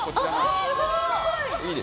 すごーい。